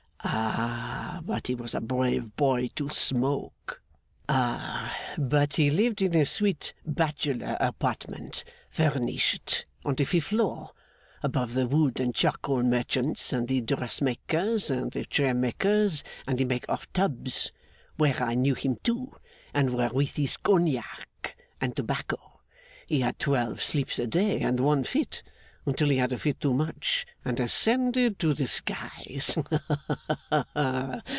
Ah, but he was a brave boy to smoke! Ah, but he lived in a sweet bachelor apartment furnished, on the fifth floor, above the wood and charcoal merchant's, and the dress maker's, and the chair maker's, and the maker of tubs where I knew him too, and wherewith his cognac and tobacco, he had twelve sleeps a day and one fit, until he had a fit too much, and ascended to the skies. Ha, ha, ha!